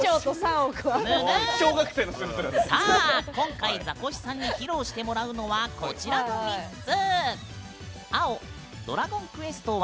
今回、ザコシさんに披露してもらうのはこちらの３つ！